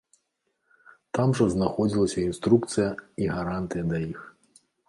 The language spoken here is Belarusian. Там жа знаходзілася інструкцыя і гарантыя да іх.